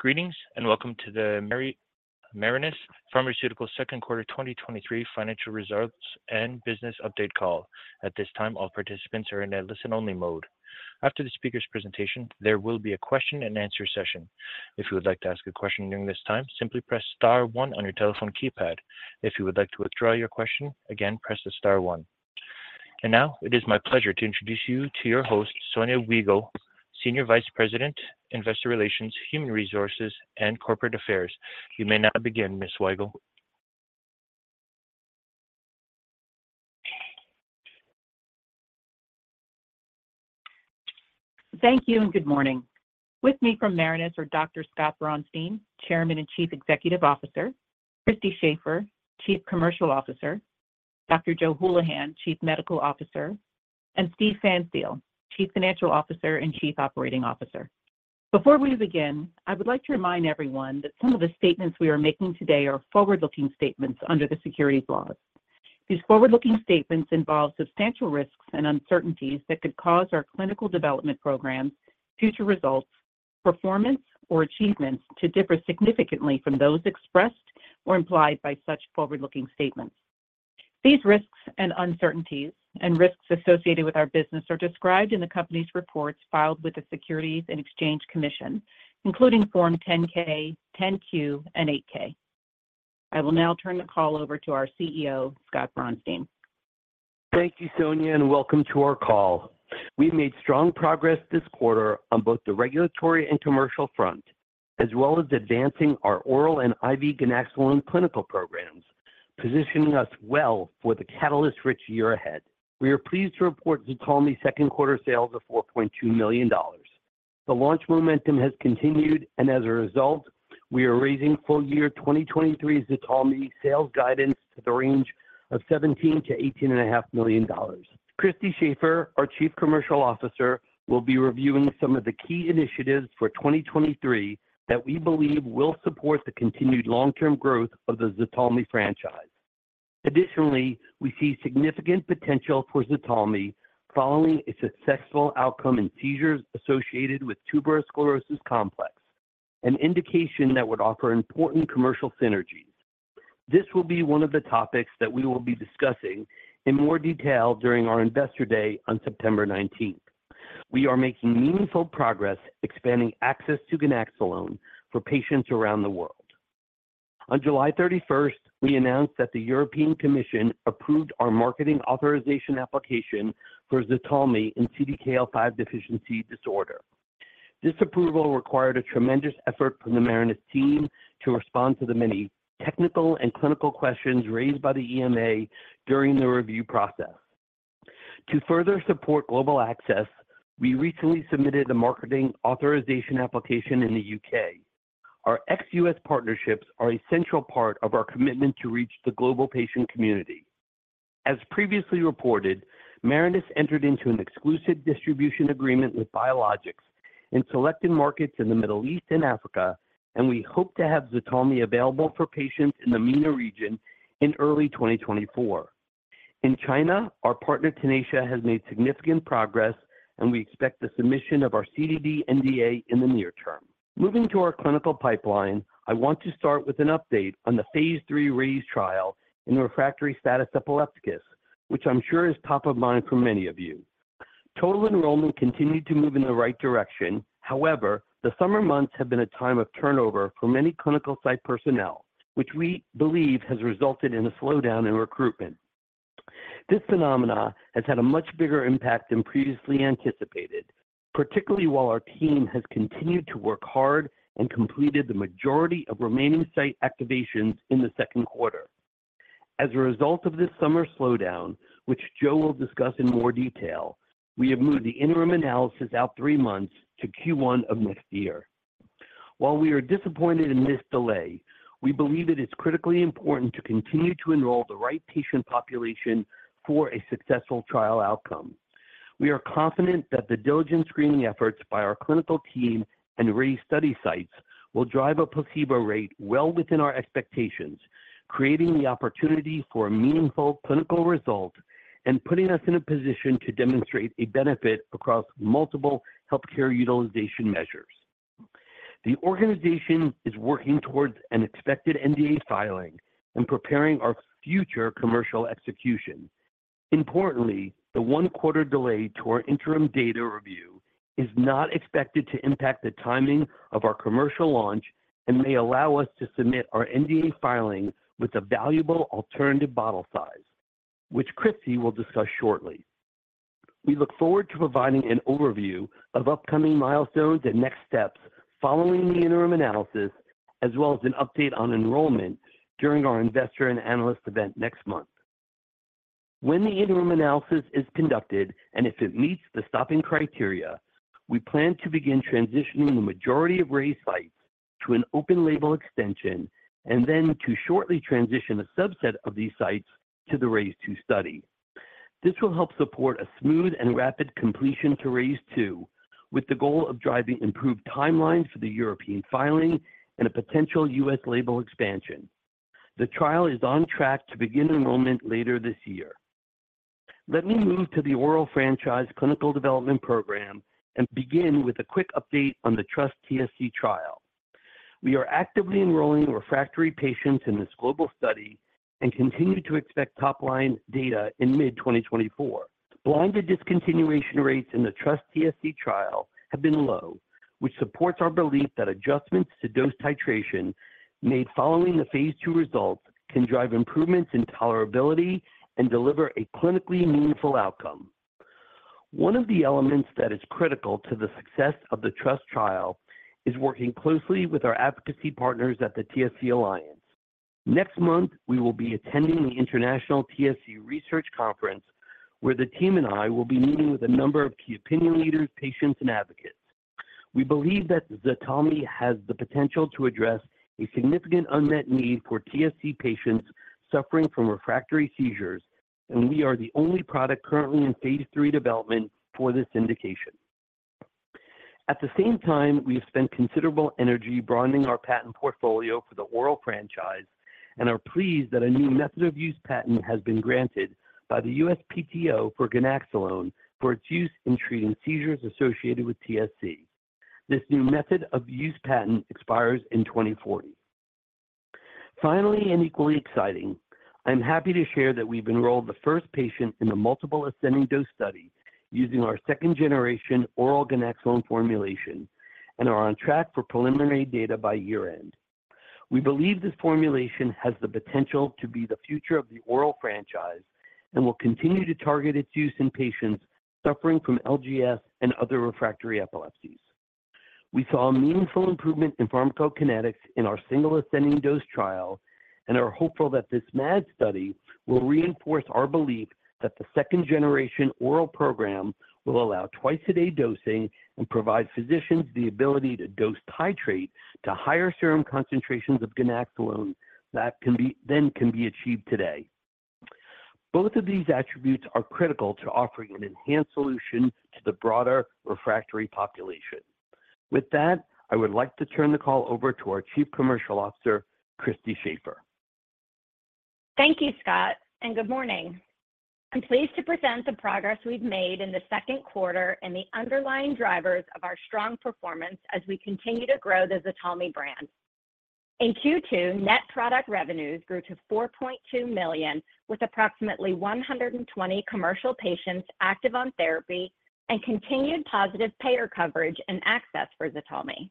Greetings, and welcome to the Marinus Pharmaceuticals second quarter 2023 financial results and business update call. At this time, all participants are in a listen-only mode. After the speaker's presentation, there will be a Q&A session. If you would like to ask a question during this time, simply press star one on your telephone keypad. If you would like to withdraw your question, again, press the star one. Now, it is my pleasure to introduce you to your host, Sonya Weigle, Senior Vice President, Investor Relations, Human Resources, and Corporate Affairs. You may now begin, Ms. Weigle. Thank you, and good morning. With me from Marinus are Dr. Scott Braunstein, Chairman and Chief Executive Officer; Christy Shafer, Chief Commercial Officer; Dr. Joe Hulihan, Chief Medical Officer; and Steven Pfanstiel, Chief Financial Officer and Chief Operating Officer. Before we begin, I would like to remind everyone that some of the statements we are making today are forward-looking statements under the securities laws. These forward-looking statements involve substantial risks and uncertainties that could cause our clinical development programs, future results, performance, or achievements to differ significantly from those expressed or implied by such forward-looking statements. These risks and uncertainties and risks associated with our business are described in the company's reports filed with the Securities and Exchange Commission, including Form 10-K, Form 10-Q, and Form 8-K. I will now turn the call over to our CEO, Scott Braunstein. Thank you, Sonya, welcome to our call. We've made strong progress this quarter on both the regulatory and commercial front, as well as advancing our oral and IV ganaxolone clinical programs, positioning us well for the catalyst-rich year ahead. We are pleased to report ZTALMY second quarter sales of $4.2 million. The launch momentum has continued, and as a result, we are raising full year 2023's ZTALMY sales guidance to the range f $17 million-$18.5 million. Christy Shafer, our Chief Commercial Officer, will be reviewing some of the key initiatives for 2023 that we believe will support the continued long-term growth of the ZTALMY franchise. We see significant potential for ZTALMY following a successful outcome in seizures associated with tuberous sclerosis complex, an indication that would offer important commercial synergies. This will be one of the topics that we will be discussing in more detail during our Investor Day on September 19th. We are making meaningful progress expanding access to ganaxolone for patients around the world. On July 31st, we announced that the European Commission approved our marketing authorization application for ZTALMY in CDKL5 deficiency disorder. This approval required a tremendous effort from the Marinus team to respond to the many technical and clinical questions raised by the EMA during the review process. To further support global access, we recently submitted a marketing authorization application in the U.K. Our ex-U.S. partnerships are a central part of our commitment to reach the global patient community. As previously reported, Marinus entered into an exclusive distribution agreement with Biologix in selected markets in the Middle East and Africa, and we hope to have Xultophy available for patients in the MENA region in early 2024. In China, our partner, Tenacia, has made significant progress, and we expect the submission of our CDD NDA in the near term. Moving to our clinical pipeline, I want to start with an update on the phase 3 RAISE trial in the refractory status epilepticus, which I'm sure is top of mind for many of you. Total enrollment continued to move in the right direction. However, the summer months have been a time of turnover for many clinical site personnel, which we believe has resulted in a slowdown in recruitment. This phenomenon has had a much bigger impact than previously anticipated, particularly while our team has continued to work hard and completed the majority of remaining site activations in the second quarter. As a result of this summer slowdown, which Joe will discuss in more detail, we have moved the interim analysis out three months to Q1 of next year. While we are disappointed in this delay, we believe it is critically important to continue to enroll the right patient population for a successful trial outcome. We are confident that the diligent screening efforts by our clinical team and RAISE study sites will drive a placebo rate well within our expectations, creating the opportunity for a meaningful clinical result and putting us in a position to demonstrate a benefit across multiple healthcare utilization measures. The organization is working towards an expected NDA filing and preparing our future commercial execution. Importantly, the one-quarter delay to our interim data review is not expected to impact the timing of our commercial launch and may allow us to submit our NDA filing with a valuable alternative bottle size, which Christy will discuss shortly. We look forward to providing an overview of upcoming milestones and next steps following the interim analysis, as well as an update on enrollment during our investor and analyst event next month. When the interim analysis is conducted, and if it meets the stopping criteria, we plan to begin transitioning the majority of RAISE sites to an open label extension and then to shortly transition a subset of these sites to the RAISE II study. This will help support a smooth and rapid completion to RAISE II, with the goal of driving improved timelines for the European filing and a potential U.S. label expansion. The trial is on track to begin enrollment later this year. Let me move to the oral franchise clinical development program and begin with a quick update on the TrustTSC trial. We are actively enrolling refractory patients in this global study and continue to expect top-line data in mid-2024. Blinded discontinuation rates in the TrustTSC trial have been low, which supports our belief that adjustments to dose titration made following the phase 2 results can drive improvements in tolerability and deliver a clinically meaningful outcome. One of the elements that is critical to the success of the Trust trial is working closely with our advocacy partners at the TSC Alliance. Next month, we will be attending the International TSC Research Conference, where the team and I will be meeting with a number of key opinion leaders, patients, and advocates. We believe that ZTALMY has the potential to address a significant unmet need for TSC patients suffering from refractory seizures, and we are the only product currently in phase 3 development for this indication. At the same time, we have spent considerable energy broadening our patent portfolio for the oral franchise and are pleased that a new method of use patent has been granted by the USPTO for ganaxolone for its use in treating seizures associated with TSC. This new method of use patent expires in 2040. Finally, and equally exciting, I'm happy to share that we've enrolled the first patient in a multiple ascending dose study using our second-generation oral ganaxolone formulation and are on track for preliminary data by year-end. We believe this formulation has the potential to be the future of the oral franchise and will continue to target its use in patients suffering from LGS and other refractory epilepsies. We saw a meaningful improvement in pharmacokinetics in our single ascending dose trial and are hopeful that this MAD study will reinforce our belief that the second-generation oral program will allow twice-a-day dosing and provide physicians the ability to dose titrate to higher serum concentrations of ganaxolone than can be achieved today. Both of these attributes are critical to offering an enhanced solution to the broader refractory population. With that, I would like to turn the call over to our Chief Commercial Officer, Christy Shafer. Thank you, Scott. Good morning. I'm pleased to present the progress we've made in the second quarter and the underlying drivers of our strong performance as we continue to grow the ZTALMY brand. In Q2, net product revenues grew to $4.2 million, with approximately 120 commercial patients active on therapy and continued positive payer coverage and access for ZTALMY.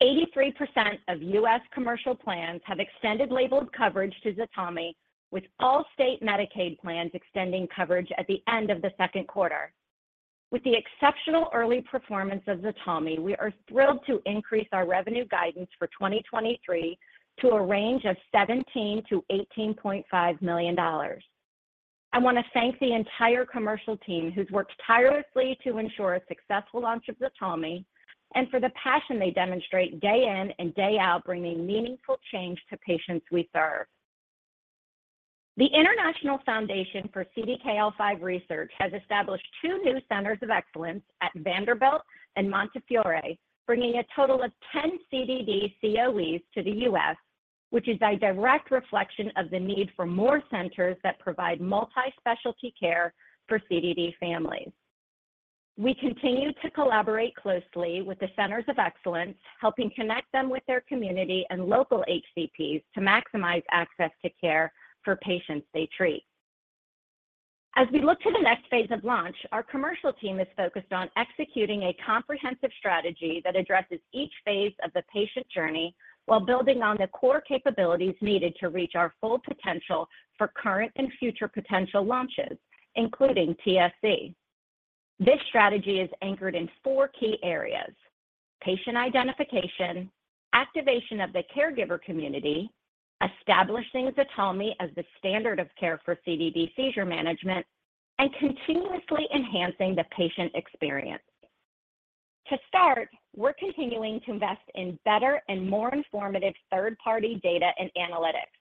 83% of U.S. commercial plans have extended labeled coverage to ZTALMY, with all state Medicaid plans extending coverage at the end of the second quarter. With the exceptional early performance of ZTALMY, we are thrilled to increase our revenue guidance for 2023 to a range of $17 million-$18.5 million. I want to thank the entire commercial team, who's worked tirelessly to ensure a successful launch of ZTALMY and for the passion they demonstrate day in and day out, bringing meaningful change to patients we serve. The International Foundation for CDKL5 Research has established two new centers of excellence at Vanderbilt and Montefiore, bringing a total of 10 CDD COEs to the U.S., which is a direct reflection of the need for more centers that provide multi-specialty care for CDD families. We continue to collaborate closely with the centers of excellence, helping connect them with their community and local HCPs to maximize access to care for patients they treat. As we look to the next phase of launch, our commercial team is focused on executing a comprehensive strategy that addresses each phase of the patient journey while building on the core capabilities needed to reach our full potential for current and future potential launches, including TSC. This strategy is anchored in four key areas: patient identification, activation of the caregiver community, establishing ZTALMY as the standard of care for CDD seizure management, and continuously enhancing the patient experience. To start, we're continuing to invest in better and more informative third-party data and analytics.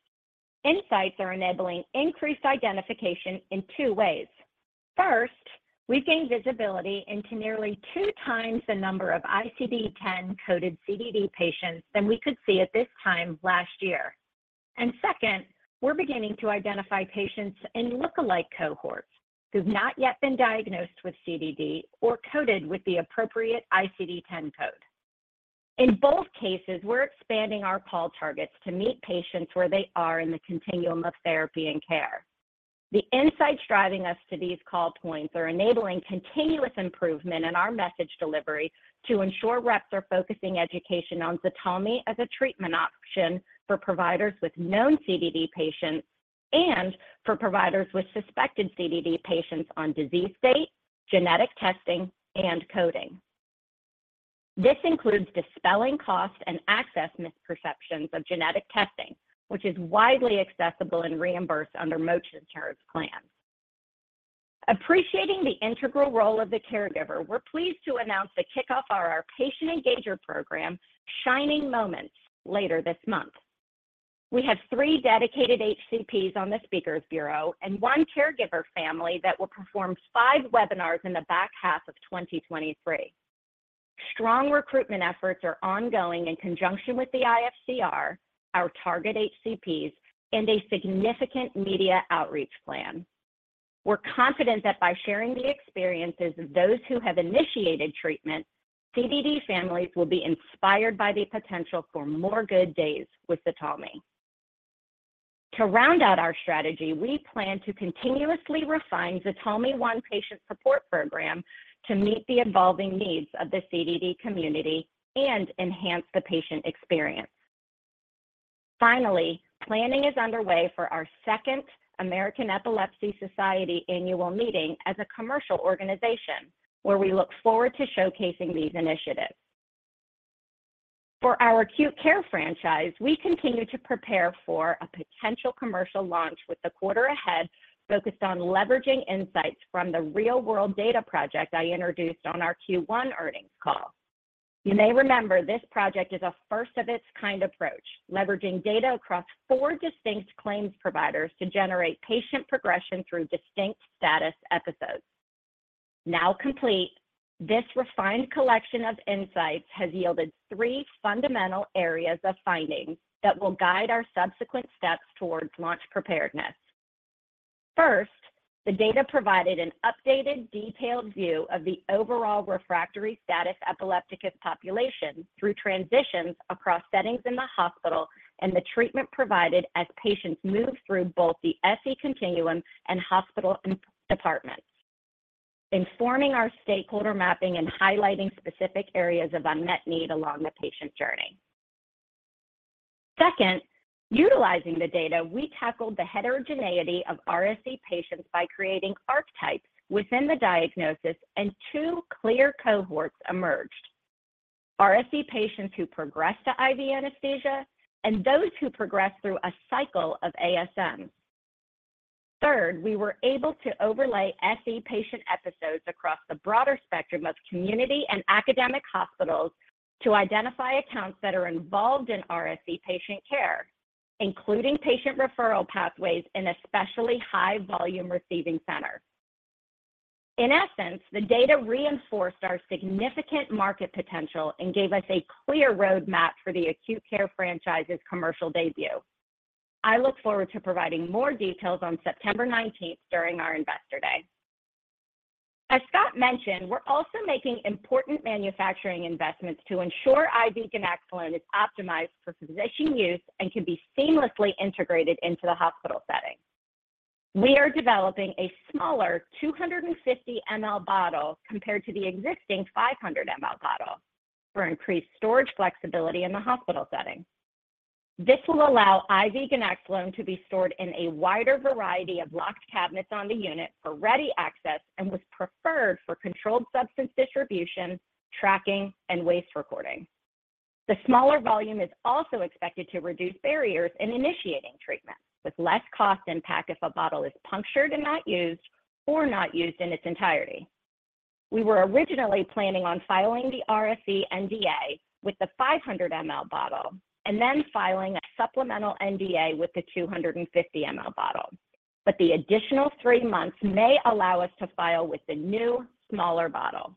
Insights are enabling increased identification in two ways. First, we've gained visibility into nearly two times the number of ICD-10 coded CDD patients than we could see at this time last year. Second, we're beginning to identify patients in look-alike cohorts who've not yet been diagnosed with CDD or coded with the appropriate ICD-10 code. In both cases, we're expanding our call targets to meet patients where they are in the continuum of therapy and care. The insights driving us to these call points are enabling continuous improvement in our message delivery to ensure reps are focusing education on ZTALMY as a treatment option for providers with known CDD patients and for providers with suspected CDD patients on disease state, genetic testing, and coding. This includes dispelling costs and access misperceptions of genetic testing, which is widely accessible and reimbursed under most insurance plans. Appreciating the integral role of the caregiver, we're pleased to announce the kickoff of our patient engager program, Shining Moments, later this month. We have three dedicated HCPs on the speakers bureau and one caregiver family that will perform five webinars in the back half of 2023. Strong recruitment efforts are ongoing in conjunction with the IFCR, our target HCPs, and a significant media outreach plan. We're confident that by sharing the experiences of those who have initiated treatment, CDD families will be inspired by the potential for more good days with ZTALMY. To round out our strategy, we plan to continuously refine ZTALMY One patient support program to meet the evolving needs of the CDD community and enhance the patient experience. Finally, planning is underway for our second American Epilepsy Society annual meeting as a commercial organization, where we look forward to showcasing these initiatives. For our acute care franchise, we continue to prepare for a potential commercial launch with the quarter ahead, focused on leveraging insights from the real-world data project I introduced on our Q1 earnings call. You may remember this project is a first-of-its-kind approach, leveraging data across four distinct claims providers to generate patient progression through distinct status episodes. Now complete, this refined collection of insights has yielded three fundamental areas of findings that will guide our subsequent steps towards launch preparedness. First, the data provided an updated, detailed view of the overall refractory status epilepticus population through transitions across settings in the hospital and the treatment provided as patients move through both the SE continuum and hospital departments, informing our stakeholder mapping and highlighting specific areas of unmet need along the patient journey. Second, utilizing the data, we tackled the heterogeneity of RSE patients by creating archetypes within the diagnosis. Two clear cohorts emerged: RSE patients who progress to IV anesthesia and those who progress through a cycle of ASMs. Third, we were able to overlay SE patient episodes across the broader spectrum of community and academic hospitals to identify accounts that are involved in RSE patient care, including patient referral pathways in especially high-volume receiving centers. In essence, the data reinforced our significant market potential and gave us a clear roadmap for the acute care franchise's commercial debut. I look forward to providing more details on September 19th during our Investor Day. As Scott mentioned, we're also making important manufacturing investments to ensure IV ganaxolone is optimized for physician use and can be seamlessly integrated into the hospital setting. We are developing a smaller 250 mL bottle compared to the existing 500 mL bottle for increased storage flexibility in the hospital setting. This will allow IV ganaxolone to be stored in a wider variety of locked cabinets on the unit for ready access and was preferred for controlled substance distribution, tracking, and waste recording. The smaller volume is also expected to reduce barriers in initiating treatment, with less cost impact if a bottle is punctured and not used or not used in its entirety. We were originally planning on filing the RSE NDA with the 500 ML bottle and then filing a supplemental NDA with the 250 ML bottle, but the additional three months may allow us to file with the new, smaller bottle.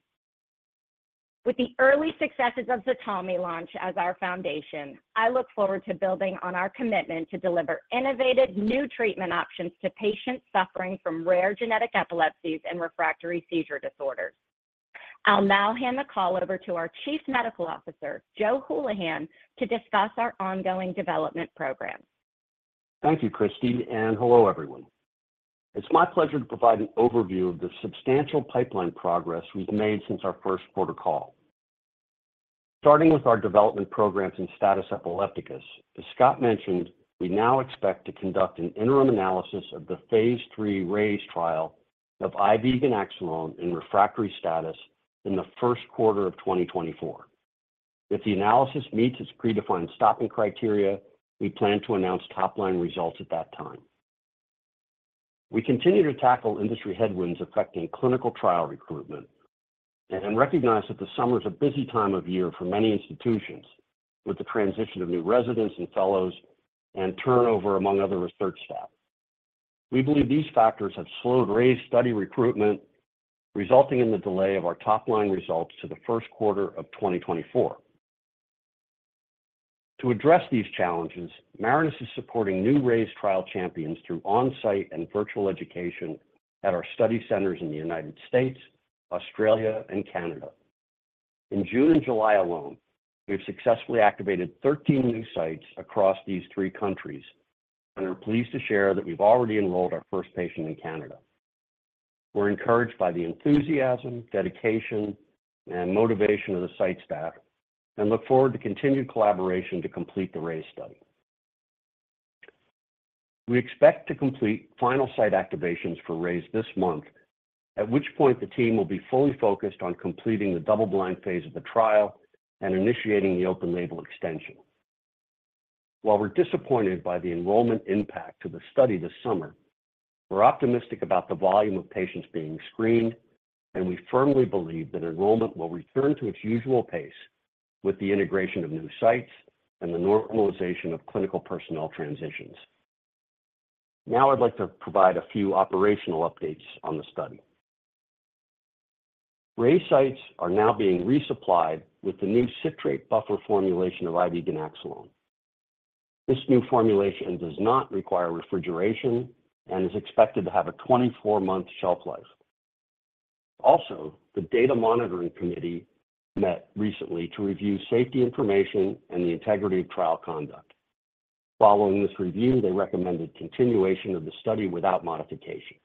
With the early successes of ZTALMY launch as our foundation, I look forward to building on our commitment to deliver innovative new treatment options to patients suffering from rare genetic epilepsies and refractory seizure disorders. I'll now hand the call over to our Chief Medical Officer, Joe Hulihan, to discuss our ongoing development programs. Thank you, Christy, and hello, everyone. It's my pleasure to provide an overview of the substantial pipeline progress we've made since our first quarter call. Starting with our development programs in status epilepticus, as Scott mentioned, we now expect to conduct an interim analysis of the Phase 3 RAISE trial of IV ganaxolone in refractory status in the first quarter of 2024. If the analysis meets its predefined stopping criteria, we plan to announce top-line results at that time. We continue to tackle industry headwinds affecting clinical trial recruitment and recognize that the summer is a busy time of year for many institutions, with the transition of new residents and fellows and turnover among other research staff. We believe these factors have slowed RAISE study recruitment, resulting in the delay of our top-line results to the first quarter of 2024. To address these challenges, Marinus is supporting new RAISE trial champions through on-site and virtual education at our study centers in the United States, Australia, and Canada. In June and July alone, we've successfully activated 13 new sites across these three countries and are pleased to share that we've already enrolled our first patient in Canada. We're encouraged by the enthusiasm, dedication, and motivation of the site staff and look forward to continued collaboration to complete the RAISE study. We expect to complete final site activations for RAISE this month, at which point the team will be fully focused on completing the double-blind phase of the trial and initiating the open-label extension. While we're disappointed by the enrollment impact to the study this summer, we're optimistic about the volume of patients being screened, and we firmly believe that enrollment will return to its usual pace with the integration of new sites and the normalization of clinical personnel transitions. I'd like to provide a few operational updates on the study. RAISE sites are now being resupplied with the new citrate buffer formulation of IV ganaxolone. This new formulation does not require refrigeration and is expected to have a 24-month shelf life. The Data Monitoring Committee met recently to review safety information and the integrity of trial conduct. Following this review, they recommended continuation of the study without modification.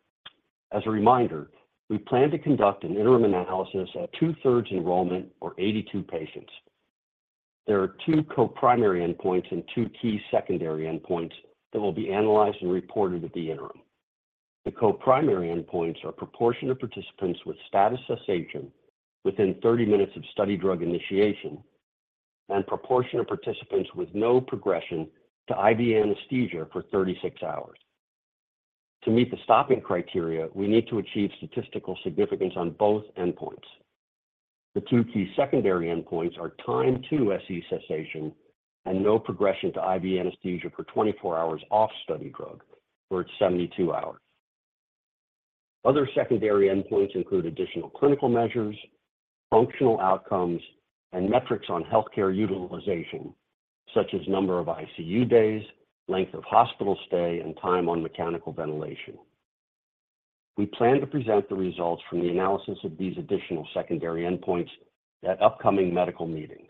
As a reminder, we plan to conduct an interim analysis at 2/3 enrollment or 82 patients. There are two co-primary endpoints and two key secondary endpoints that will be analyzed and reported at the interim. The co-primary endpoints are proportion of participants with status cessation within 30 minutes of study drug initiation and proportion of participants with no progression to IV anesthesia for 36 hours. To meet the stopping criteria, we need to achieve statistical significance on both endpoints. The two key secondary endpoints are time to SE cessation and no progression to IV anesthesia for 24 hours off study drug for its 72 hours. Other secondary endpoints include additional clinical measures, functional outcomes, and metrics on healthcare utilization, such as number of ICU days, length of hospital stay, and time on mechanical ventilation. We plan to present the results from the analysis of these additional secondary endpoints at upcoming medical meetings.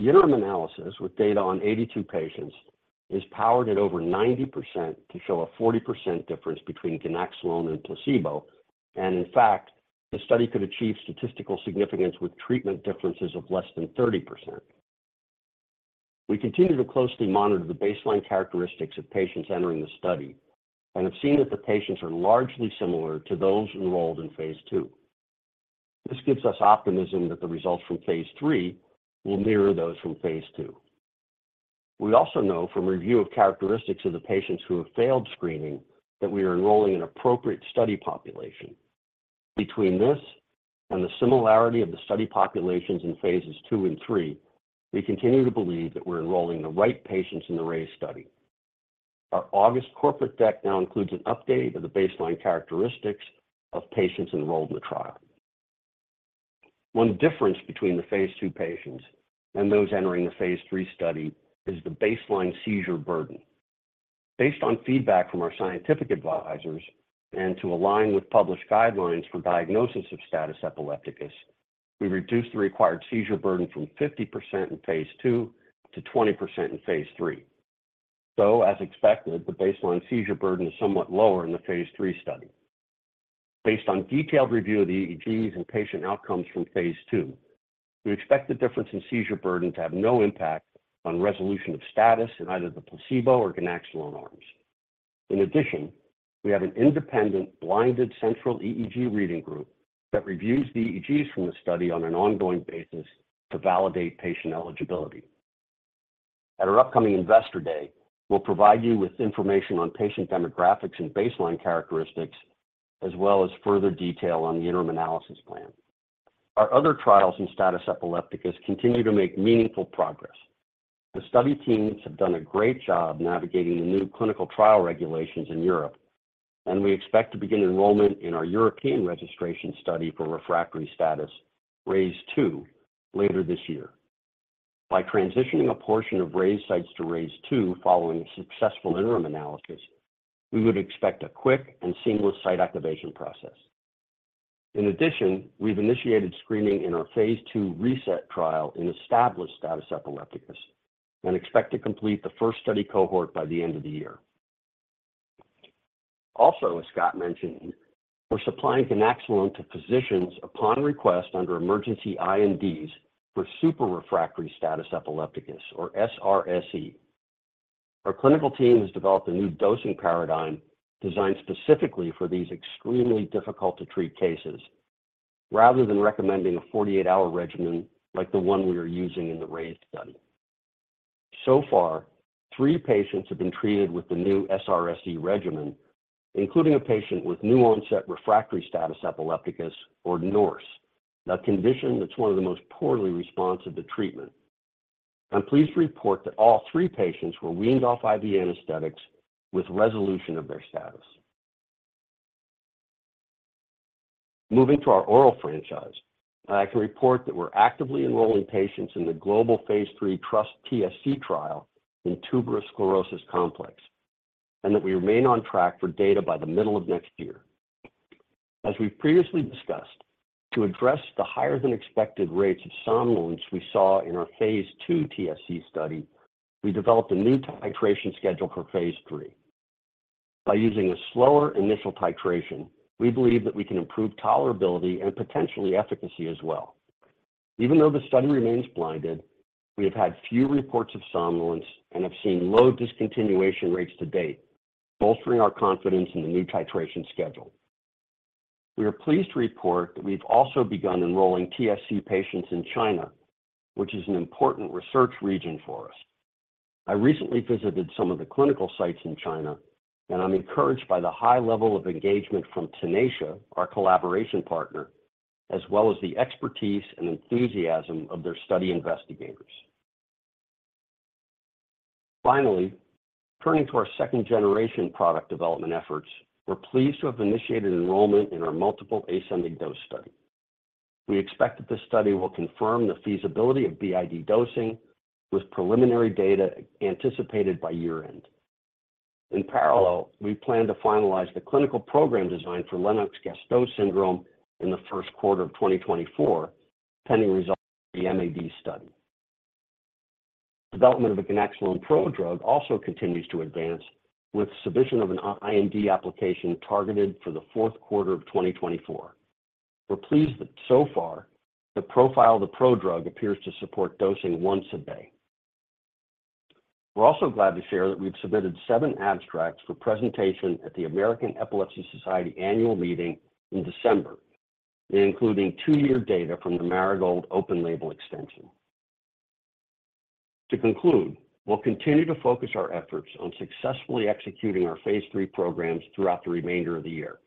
The interim analysis, with data on 82 patients, is powered at over 90% to show a 40% difference between ganaxolone and placebo, and in fact, the study could achieve statistical significance with treatment differences of less than 30%. We continue to closely monitor the baseline characteristics of patients entering the study and have seen that the patients are largely similar to those enrolled in Phase II. This gives us optimism that the results from Phase III will mirror those from Phase II. We also know from review of characteristics of the patients who have failed screening that we are enrolling an appropriate study population. Between this and the similarity of the study populations in Phases II and III, we continue to believe that we're enrolling the right patients in the RAISE study. Our August corporate deck now includes an update of the baseline characteristics of patients enrolled in the trial. One difference between the Phase II patients and those entering the Phase 3 study is the baseline seizure burden. Based on feedback from our scientific advisors and to align with published guidelines for diagnosis of status epilepticus, we reduced the required seizure burden from 50% in Phase II to 20% in Phase 3. As expected, the baseline seizure burden is somewhat lower in the Phase 3 study. Based on detailed review of the EEGs and patient outcomes from Phase II, we expect the difference in seizure burden to have no impact on resolution of status in either the placebo or ganaxolone arms. In addition, we have an independent, blinded central EEG reading group that reviews the EEGs from the study on an ongoing basis to validate patient eligibility. At our upcoming Investor Day, we'll provide you with information on patient demographics and baseline characteristics, as well as further detail on the interim analysis plan. Our other trials in status epilepticus continue to make meaningful progress. The study teams have done a great job navigating the new clinical trial regulations in Europe. We expect to begin enrollment in our European registration study for refractory status, RAISE II, later this year. By transitioning a portion of RAISE sites to RAISE II following a successful interim analysis, we would expect a quick and seamless site activation process. In addition, we've initiated screening in our phase 2 RESET trial in established status epilepticus and expect to complete the first study cohort by the end of the year. As Scott mentioned, we're supplying ganaxolone to physicians upon request under emergency INDs for super refractory status epilepticus, or SRSE. Our clinical team has developed a new dosing paradigm designed specifically for these extremely difficult-to-treat cases, rather than recommending a 48-hour regimen like the one we are using in the RAISE study. So far, three patients have been treated with the new SRSE regimen, including a patient with New-Onset Refractory Status Epilepticus, or NORSE, a condition that's one of the most poorly responsive to treatment. I'm pleased to report that all three patients were weaned off IV anesthetics with resolution of their status. Moving to our oral franchise, I can report that we're actively enrolling patients in the global Phase 3 TrustTSC trial in tuberous sclerosis complex, and that we remain on track for data by the middle of next year. As we've previously discussed, to address the higher-than-expected rates of somnolence we saw in our Phase 2 TSC study, we developed a new titration schedule for Phase III. By using a slower initial titration, we believe that we can improve tolerability and potentially efficacy as well. Even though the study remains blinded, we have had few reports of somnolence and have seen low discontinuation rates to date, bolstering our confidence in the new titration schedule. We are pleased to report that we've also begun enrolling TSC patients in China, which is an important research region for us. I recently visited some of the clinical sites in China, and I'm encouraged by the high level of engagement from Tenacia, our collaboration partner, as well as the expertise and enthusiasm of their study investigators. Finally, turning to our second-generation product development efforts, we're pleased to have initiated enrollment in our multiple ascending dose study. We expect that this study will confirm the feasibility of BID dosing, with preliminary data anticipated by year-end. In parallel, we plan to finalize the clinical program design for Lennox-Gastaut Syndrome in the first quarter of 2024, pending results of the MAD study. Development of a ganaxolone prodrug also continues to advance, with submission of an IND application targeted for the fourth quarter of 2024. We're pleased that so far, the profile of the prodrug appears to support dosing once a day. We're also glad to share that we've submitted seven abstracts for presentation at the American Epilepsy Society Annual Meeting in December, including two-year data from the Marigold open label extension. To conclude, we'll continue to focus our efforts on successfully executing our phase 3 programs throughout the remainder of the year.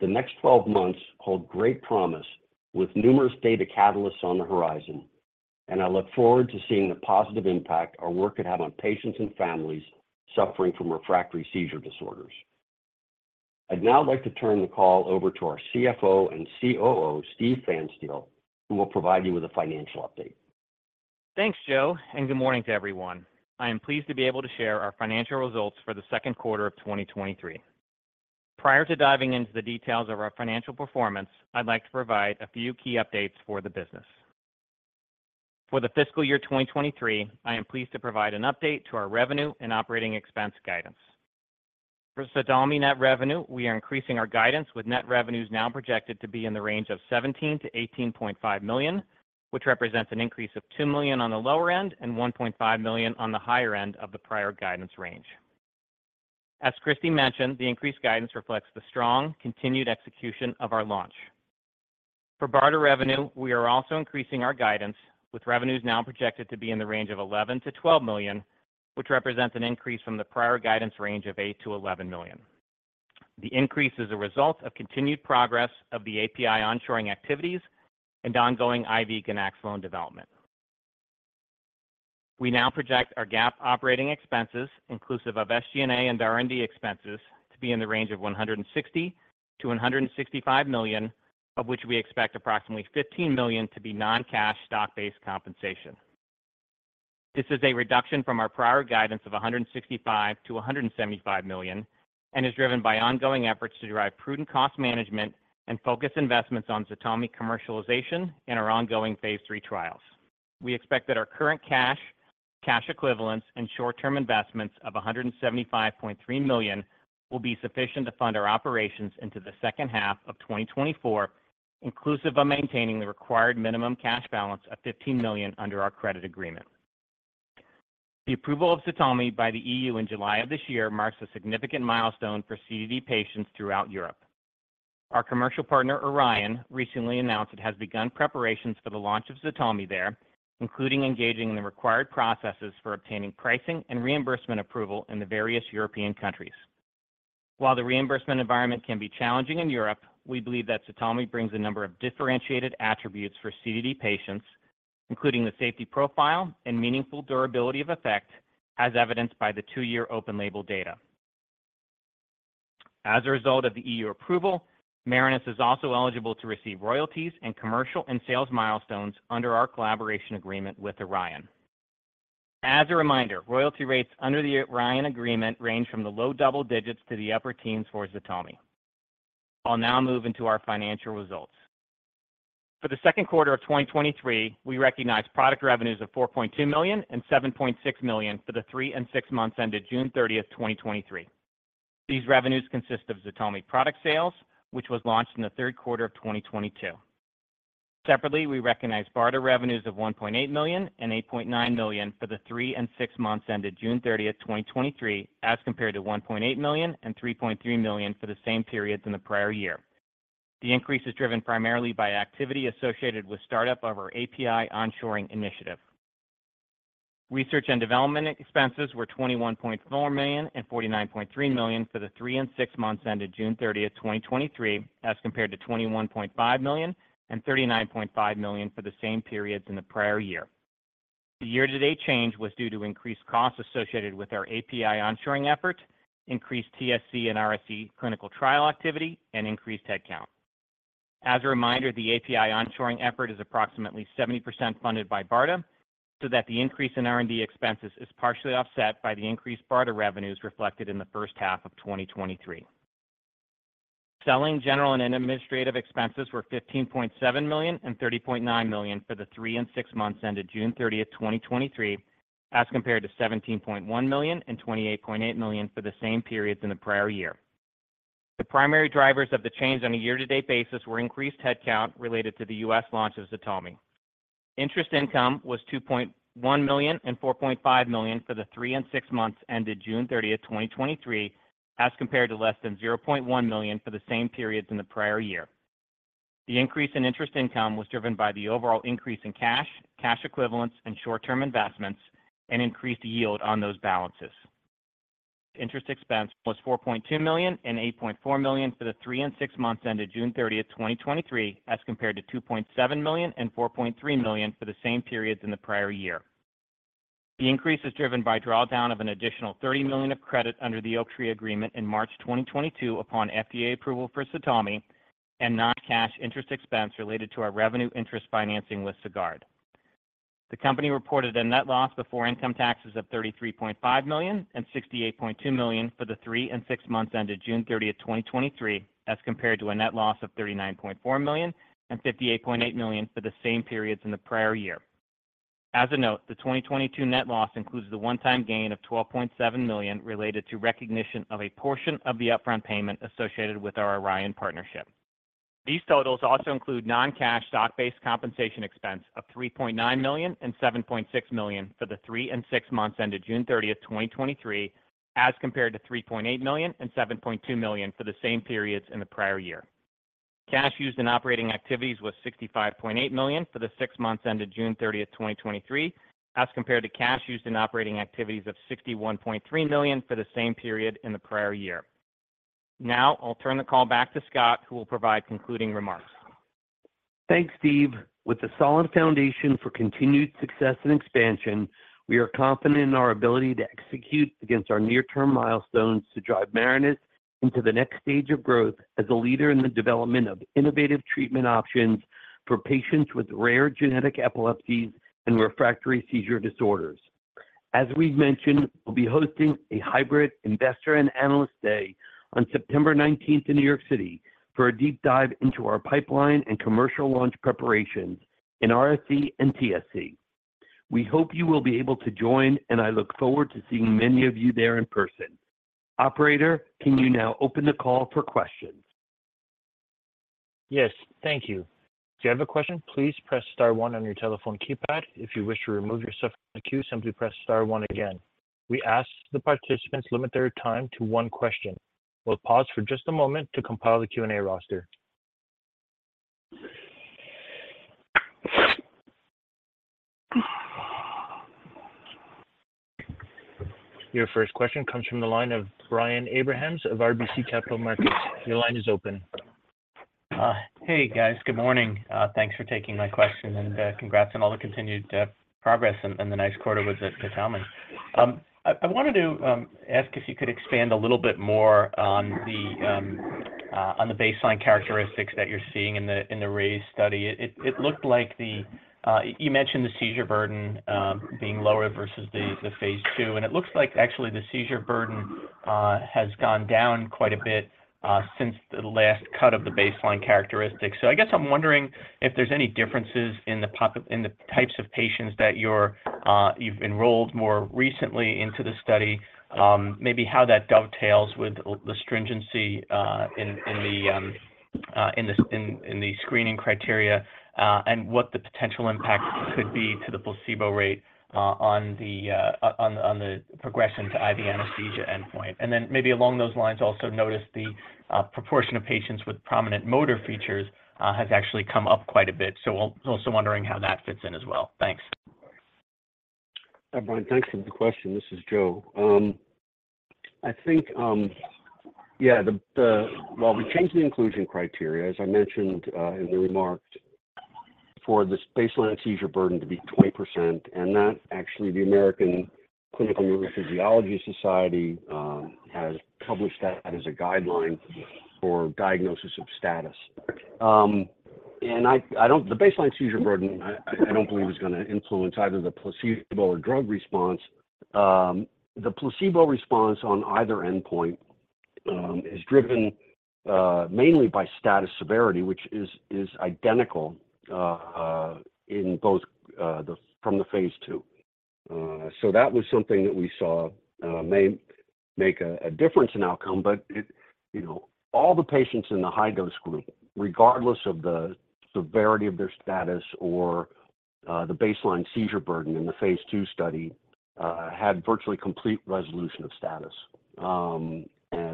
The next 12 months hold great promise, with numerous data catalysts on the horizon, and I look forward to seeing the positive impact our work could have on patients and families suffering from refractory seizure disorders. I'd now like to turn the call over to our CFO and COO, Steven Pfanstiel, who will provide you with a financial update. Thanks, Joe. Good morning to everyone. I am pleased to be able to share our financial results for the second quarter of 2023. Prior to diving into the details of our financial performance, I'd like to provide a few key updates for the business. For the fiscal year 2023, I am pleased to provide an update to our revenue and operating expense guidance. For ZTALMY net revenue, we are increasing our guidance, with net revenues now projected to be in the range of $17 million-$18.5 million, which represents an increase of $2 million on the lower end and $1.5 million on the higher end of the prior guidance range. As Christy mentioned, the increased guidance reflects the strong, continued execution of our launch. For BARDA revenue, we are also increasing our guidance, with revenues now projected to be in the range of $11 million-$12 million, which represents an increase from the prior guidance range of $8 million-$11 million. The increase is a result of continued progress of the API onshoring activities and ongoing IV ganaxolone development. We now project our GAAP operating expenses, inclusive of SG&A and R&D expenses, to be in the range of $160 million-$165 million, of which we expect approximately $15 million to be non-cash stock-based compensation. This is a reduction from our prior guidance of $165 million-$175 million, and is driven by ongoing efforts to derive prudent cost management and focus investments on ZTALMY commercialization and our ongoing Phase 3 trials. We expect that our current cash, cash equivalents, and short-term investments of $175.3 million will be sufficient to fund our operations into the second half of 2024, inclusive of maintaining the required minimum cash balance of $15 million under our credit agreement. The approval of ZTALMY by the EU in July of this year marks a significant milestone for CDD patients throughout Europe. Our commercial partner, Orion, recently announced it has begun preparations for the launch of ZTALMY there, including engaging in the required processes for obtaining pricing and reimbursement approval in the various European countries. While the reimbursement environment can be challenging in Europe, we believe that ZTALMY brings a number of differentiated attributes for CDD patients, including the safety profile and meaningful durability of effect, as evidenced by the two-year open label data. As a result of the EU approval, Marinus is also eligible to receive royalties and commercial and sales milestones under our collaboration agreement with Orion. As a reminder, royalty rates under the Orion agreement range from the low double digits to the upper teens for ZTALMY. I'll now move into our financial results. For the second quarter of 2023, we recognized product revenues of $4.2 million and $7.6 million for the three and six months ended June 30th, 2023. These revenues consist of ZTALMY product sales, which was launched in the third quarter of 2022. Separately, we recognized BARDA revenues of $1.8 million and $8.9 million for the three and six months ended June 30th, 2023, as compared to $1.8 million and $3.3 million for the same periods in the prior year. The increase is driven primarily by activity associated with startup of our API onshoring initiative. Research and development expenses were $21.4 million and $49.3 million for the three and six months ended June 30th, 2023, as compared to $21.5 million and $39.5 million for the same periods in the prior year. The year-to-date change was due to increased costs associated with our API onshoring effort, increased TSC and RSC clinical trial activity, and increased headcount. As a reminder, the API onshoring effort is approximately 70% funded by BARDA, so that the increase in R&D expenses is partially offset by the increased BARDA revenues reflected in the first half of 2023. Selling general and administrative expenses were $15.7 million and $30.9 million for the three and six months ended June 30th, 2023, as compared to $17.1 million and $28.8 million for the same periods in the prior year. The primary drivers of the change on a year-to-date basis were increased headcount related to the U.S. launch of ZTALMY. Interest income was $2.1 million and $4.5 million for the three and six months ended June 30th, 2023, as compared to less than $0.1 million for the same periods in the prior year. The increase in interest income was driven by the overall increase in cash, cash equivalents, and short-term investments, and increased yield on those balances.... interest expense was $4.2 million and $8.4 million for the three and six months ended June 30th, 2023, as compared to $2.7 million and $4.3 million for the same periods in the prior year. The increase is driven by drawdown of an additional $30 million of credit under the Oaktree agreement in March 2022 upon FDA approval for ZTALMY and non-cash interest expense related to our revenue interest financing with Sagard. The company reported a net loss before income taxes of $33.5 million and $68.2 million for the three and six months ended June 30th, 2023, as compared to a net loss of $39.4 million and $58.8 million for the same periods in the prior year. As a note, the 2022 net loss includes the one-time gain of $12.7 million related to recognition of a portion of the upfront payment associated with our Orion partnership. These totals also include non-cash stock-based compensation expense of $3.9 million and $7.6 million for the three and six months ended June 30th, 2023, as compared to $3.8 million and $7.2 million for the same periods in the prior year. Cash used in operating activities was $65.8 million for the six months ended June 30th, 2023, as compared to cash used in operating activities of $61.3 million for the same period in the prior year. I'll turn the call back to Scott, who will provide concluding remarks. Thanks, Steve. With a solid foundation for continued success and expansion, we are confident in our ability to execute against our near-term milestones to drive Marinus into the next stage of growth as a leader in the development of innovative treatment options for patients with rare genetic epilepsies and refractory seizure disorders. As we've mentioned, we'll be hosting a hybrid investor and analyst day on September 19th in New York City for a deep dive into our pipeline and commercial launch preparations in RSE and TSC. We hope you will be able to join, and I look forward to seeing many of you there in person. Operator, can you now open the call for questions? Yes, thank you. If you have a question, please press star one on your telephone keypad. If you wish to remove yourself from the queue simply press star one again. We ask the participants limit their time to one question. We'll pause for just a moment to compile the Q&A roster. Your first question comes from the line of Brian Abrahams of RBC Capital Markets. Your line is open. Hey, guys. Good morning. Thanks for taking my question, and congrats on all the continued progress and the nice quarter with ZTALMY. I, I wanted to ask if you could expand a little bit more on the baseline characteristics that you're seeing in the RAISE study. It, it looked like the... You mentioned the seizure burden, being lower versus the phase II, and it looks like actually the seizure burden has gone down quite a bit since the last cut of the baseline characteristics. here's any differences in the types of patients that you've enrolled more recently into the study, maybe how that dovetails with the stringency in the screening criteria, and what the potential impacts could be to the placebo rate on the progression to IV anesthesia endpoint. Then maybe along those lines, also noticed the proportion of patients with prominent motor features has actually come up quite a bit, so I'm also wondering how that fits in as well. Thanks. Hi, Brian. Thanks for the question. This is Joe. I think, yeah, well, we changed the inclusion criteria, as I mentioned in the remarks, for this baseline seizure burden to be 20%, and that actually, the American Clinical Neurophysiology Society has published that as a guideline for diagnosis of status. I don't believe the baseline seizure burden is going to influence either the placebo or drug response. The placebo response on either endpoint is driven mainly by status severity, which is identical in both from the phase 2. That was something that we saw may make a difference in outcome, but it, you know, all the patients in the high dose group, regardless of the severity of their status or the baseline seizure burden in the phase 2 study, had virtually complete resolution of status, and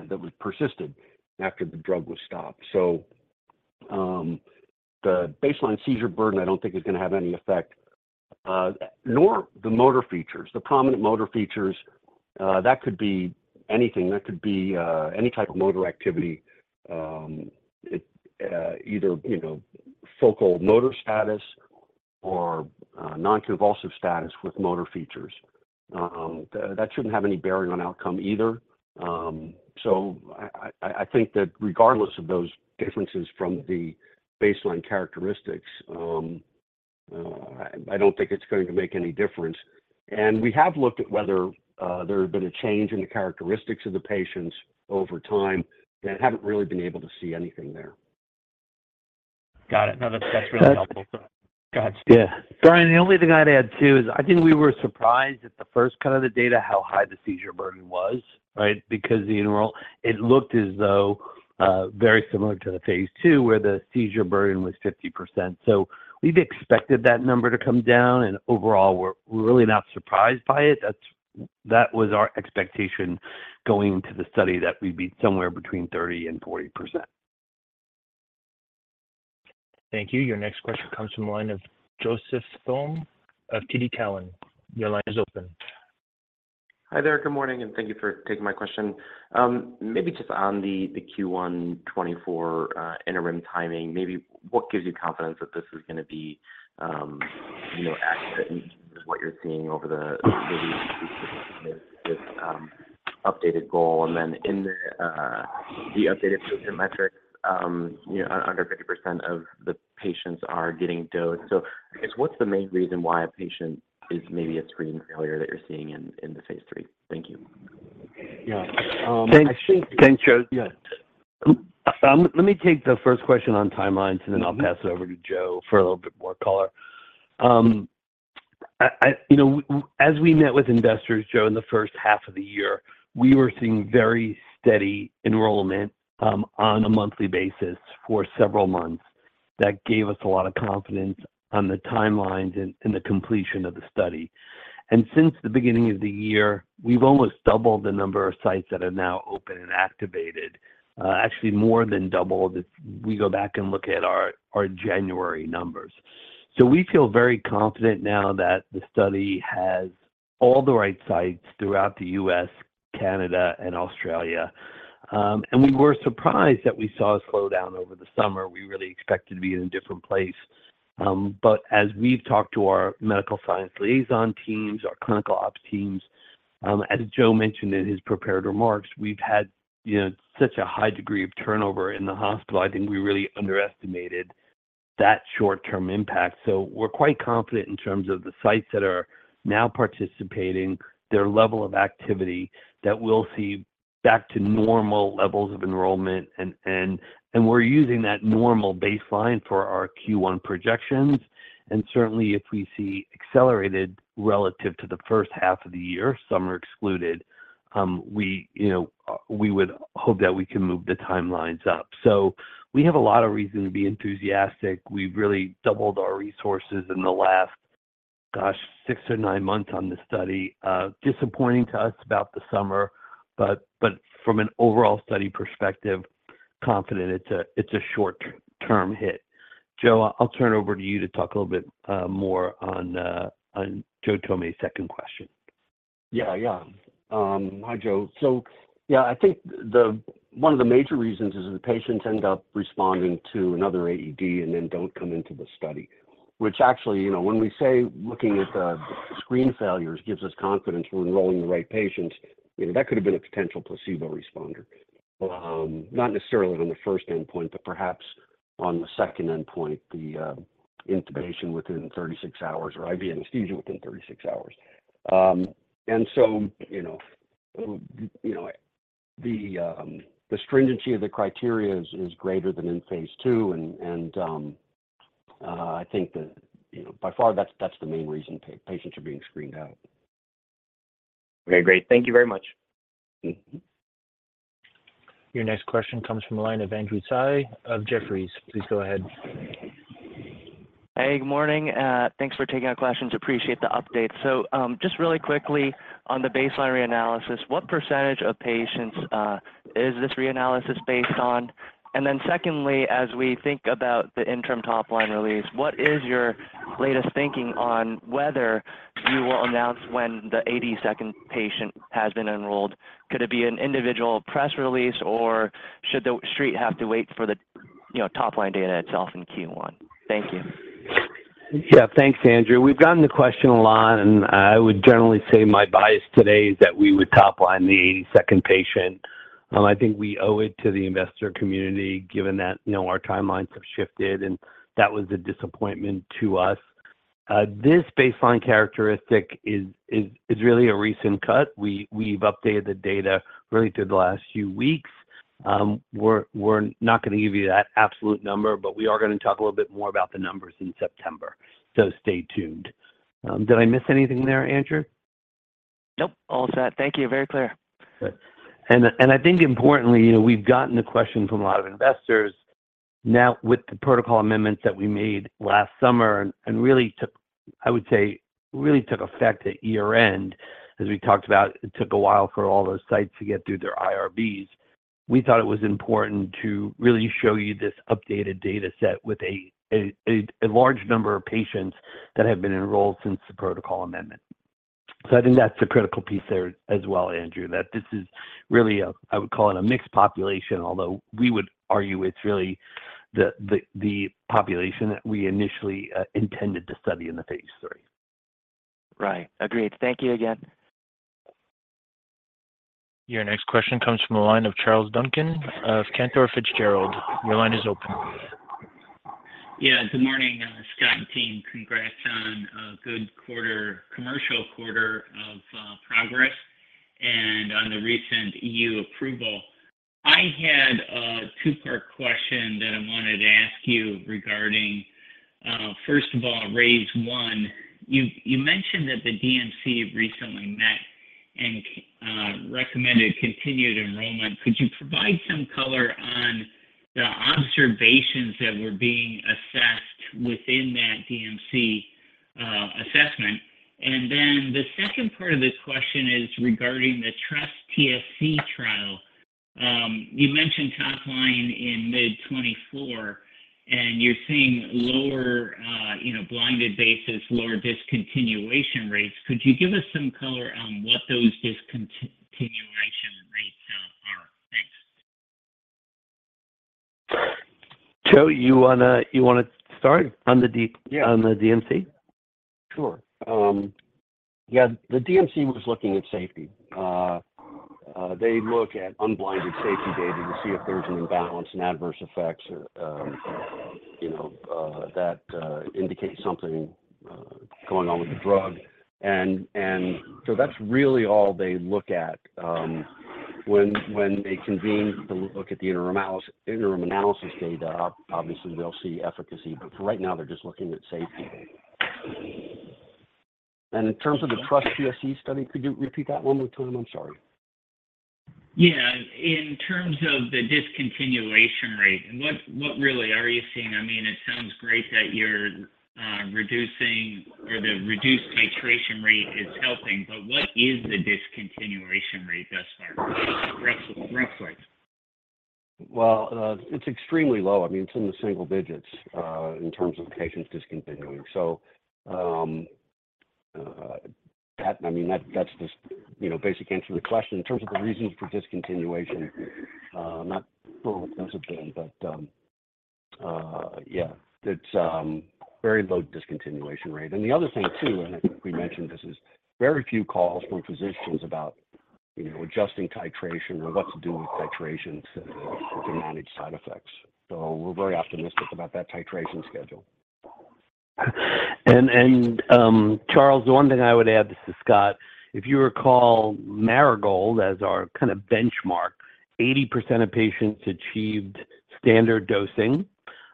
that was persisted after the drug was stopped. The baseline seizure burden, I don't think is going to have any effect, nor the motor features. The prominent motor features that could be anything. That could be any type of motor activity, it either, you know, focal motor status or non-convulsive status with motor features. That shouldn't have any bearing on outcome either. I, I, I think that regardless of those differences from the baseline characteristics, I don't think it's going to make any difference. We have looked at whether, there has been a change in the characteristics of the patients over time, and haven't really been able to see anything there. Got it. No, that's, that's really helpful. Gotcha. Yeah. Brian, the only thing I'd add, too, is I think we were surprised at the first cut of the data, how high the seizure burden was, right? The enroll, it looked as though, very similar to the phase 2, where the seizure burden was 50%. We've expected that number to come down, and overall, we're really not surprised by it. That was our expectation going to the study, that we'd be somewhere between 30% and 40%. Thank you. Your next question comes from the line of Joseph Thome of TD Cowen. Your line is open. Hi there. Good morning, and thank you for taking my question. Maybe just on the Q1 2024 interim timing, maybe what gives you confidence that this is gonna be, you know, accurate in terms of what you're seeing over the, maybe this updated goal? In the updated metrics, you know, under 50% of the patients are getting dosed. I guess, what's the main reason why a patient is maybe a screen failure that you're seeing in the phase 3? Thank you. Yeah, I think- Thanks, Joe. Yes. Let me take the first question on timelines, and then I'll pass it over to Joe for a little bit more color. You know, as we met with investors, Joe, in the first half of the year, we were seeing very steady enrollment on a monthly basis for several months. That gave us a lot of confidence on the timelines and the completion of the study. Since the beginning of the year, we've almost doubled the number of sites that are now open and activated. Actually more than doubled, if we go back and look at our January numbers. We feel very confident now that the study has all the right sites throughout the U.S., Canada, and Australia. We were surprised that we saw a slowdown over the summer. We really expected to be in a different place. As we've talked to our medical science liaison teams, our clinical ops teams, as Joe mentioned in his prepared remarks, we've had, you know, such a high degree of turnover in the hospital. I think we really underestimated that short-term impact. We're quite confident in terms of the sites that are now participating, their level of activity, that we'll see back to normal levels of enrollment. We're using that normal baseline for our Q1 projections, and certainly, if we see accelerated relative to the first half of the year, summer excluded, we, you know, we would hope that we can move the timelines up. We have a lot of reason to be enthusiastic. We've really doubled our resources in the last, gosh, six or nine months on this study. Disappointing to us about the summer, but from an overall study perspective, confident it's a, it's a short-term hit. Joe, I'll turn it over to you to talk a little bit more on Joseph Thome's second question. Yeah, yeah. Hi, Joe. Yeah, I think one of the major reasons is the patients end up responding to another AED and then don't come into the study, which actually, you know, when we say looking at the screen failures gives us confidence we're enrolling the right patients, you know, that could have been a potential placebo responder. Not necessarily on the first endpoint, but perhaps on the second endpoint, the intubation within 36 hours or IV anesthesia within 36 hours. You know, you know, the stringency of the criteria is greater than in phase II, and, I think that, you know, by far, that's, that's the main reason patients are being screened out. Okay, great. Thank you very much. Mm-hmm. Your next question comes from the line of Andrew Tsai of Jefferies. Please go ahead. Hey, good morning. Thanks for taking our questions. Appreciate the update. Just really quickly on the baseline reanalysis, what percentage of patients is this reanalysis based on? Secondly, as we think about the interim top-line release, what is your latest thinking on whether you will announce when the 82nd patient has been enrolled? Could it be an individual press release, or should the street have to wait for the, you know, top-line data itself in Q1? Thank you. Thanks, Andrew. We've gotten the question a lot. I would generally say my bias today is that we would top-line the 82nd patient. I think we owe it to the investor community, given that, you know, our timelines have shifted, and that was a disappointment to us. This baseline characteristic is really a recent cut. We've updated the data really through the last few weeks. We're not gonna give you that absolute number, but we are gonna talk a little bit more about the numbers in September, so stay tuned. Did I miss anything there, Andrew? Nope, all set. Thank you. Very clear. Good. I think importantly, you know, we've gotten the question from a lot of investors. Now, with the protocol amendments that we made last summer and really took... I would say, really took effect at year-end. As we talked about, it took a while for all those sites to get through their IRBs. We thought it was important to really show you this updated data set with a large number of patients that have been enrolled since the protocol amendment. I think that's the critical piece there as well, Andrew, that this is really a, I would call it a mixed population, although we would argue it's really the, the, the population that we initially intended to study in the phase 3. Right. Agreed. Thank you again. Your next question comes from the line of Charles Duncan of Cantor Fitzgerald. Your line is open. Yeah, good morning, Scott and team. Congrats on a good quarter, commercial quarter of progress and on the recent EU approval. I had a two-part question that I wanted to ask you regarding, first of all, RAISE I. You, you mentioned that the DMC recently met and recommended continued enrollment. Could you provide some color on the observations that were being assessed within that DMC assessment? Then the second part of this question is regarding the TrustTSC trial. You mentioned top line in mid-2024, and you're seeing lower, you know, blinded basis, lower discontinuation rates. Could you give us some color on what those discontinuation rates are? Thanks. Joe, you wanna, you wanna start on the. Yeah. On the DMC? Sure. Yeah, the DMC was looking at safety. They look at unblinded safety data to see if there's an imbalance in adverse effects, you know, that indicates something going on with the drug. That's really all they look at. When they convene to look at the interim analysis, interim analysis data, obviously they'll see efficacy, but for right now, they're just looking at safety. In terms of the TrustTSC study, could you repeat that one more time? I'm sorry. Yeah. In terms of the discontinuation rate, what, what really are you seeing? I mean, it sounds great that you're reducing or the reduced titration rate is helping, but what is the discontinuation rate thus far, roughly? Well, it's extremely low. I mean, it's in the single digits in terms of patients discontinuing. That, I mean, that's just, you know, basic answer to the question. In terms of the reasons for discontinuation, not sure what those have been, but, yeah, it's very low discontinuation rate. The other thing, too, and I think we mentioned this, is very few calls from physicians about, you know, adjusting titration or what to do with titration to manage side effects. We're very optimistic about that titration schedule. Charles, one thing I would add, this is Scott. If you recall Marigold as our kinda benchmark, 80% of patients achieved standard dosing,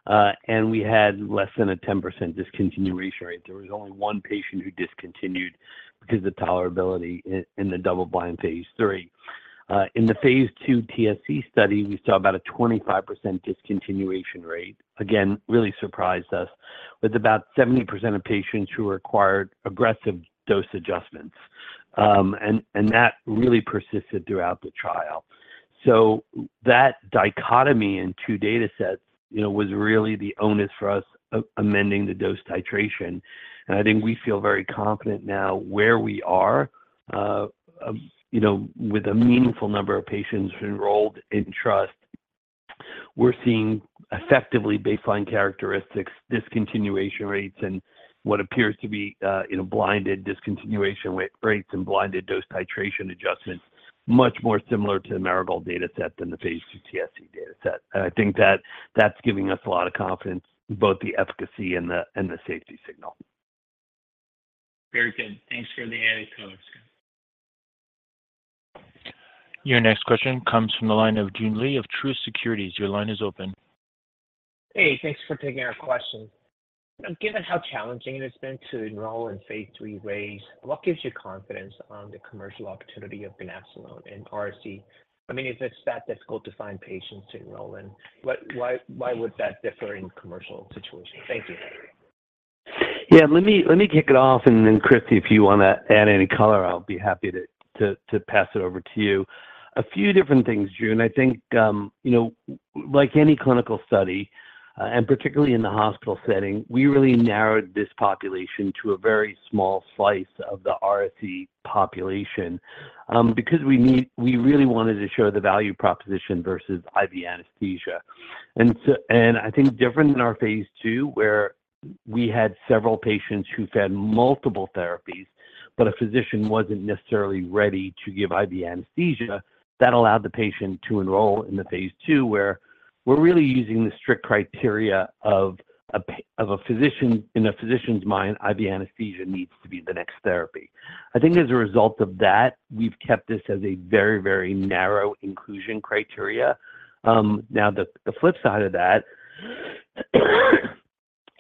and we had less than a 10% discontinuation rate. There was only one patient who discontinued because of tolerability in the double-blind Phase 3. In the Phase 2 TSC study, we saw about a 25% discontinuation rate. Again, really surprised us, with about 70% of patients who required aggressive dose adjustments. That really persisted throughout the trial. That dichotomy in two datasets, you know, was really the onus for us amending the dose titration. I think we feel very confident now where we are, you know, with a meaningful number of patients enrolled in TRUST. We're seeing effectively baseline characteristics, discontinuation rates, and what appears to be, in a blinded discontinuation rate, rates and blinded dose titration adjustments, much more similar to the Marigold dataset than the Phase 2 TSC dataset. I think that that's giving us a lot of confidence in both the efficacy and the, and the safety signal. Very good. Thanks for the added color, Scott. Your next question comes from the line of Joon Lee of Truist Securities. Your line is open. Hey, thanks for taking our question. Given how challenging it has been to enroll in Phase 3 RAISE, what gives you confidence on the commercial opportunity of ganaxolone in RSE? I mean, if it's that difficult to find patients to enroll in, what, why, why would that differ in commercial situations? Thank you. Yeah, let me, let me kick it off, and then, Christy, if you wanna add any color, I'll be happy to pass it over to you. A few different things, Joon. I think, you know, like any clinical study, and particularly in the hospital setting, we really narrowed this population to a very small slice of the RSE population, because we really wanted to show the value proposition versus IV anesthesia. I think different than our phase 2, where we had several patients who've had multiple therapies, but a physician wasn't necessarily ready to give IV anesthesia, that allowed the patient to enroll in the phase 2, where we're really using the strict criteria of a physician, in a physician's mind, IV anesthesia needs to be the next therapy. I think as a result of that, we've kept this as a very, very narrow inclusion criteria. Now, the, the flip side of that,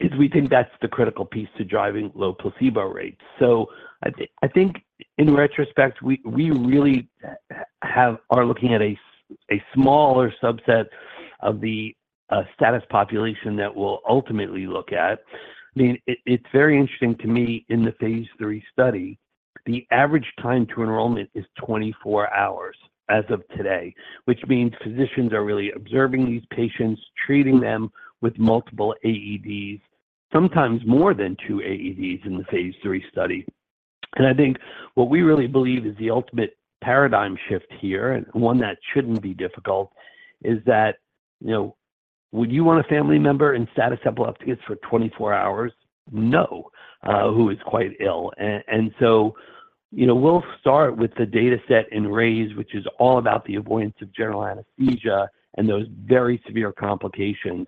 is we think that's the critical piece to driving low placebo rates. I think in retrospect, we, we really have are looking at a smaller subset of the status population that we'll ultimately look at. I mean, it, it's very interesting to me, in the Phase 3 study, the average time to enrollment is 24 hours as of today, which means physicians are really observing these patients, treating them with multiple AEDs, sometimes more than two AEDs in the Phase 3 study. I think what we really believe is the ultimate paradigm shift here, and one that shouldn't be difficult, is that, you know, would you want a family member in status epilepticus for 24 hours? No, who is quite ill. You know, we'll start with the dataset in RAISE, which is all about the avoidance of general anesthesia and those very severe complications.